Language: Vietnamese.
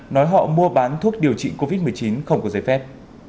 nói họ mua bán thuốc điều trị covid một mươi chín không có giấy phép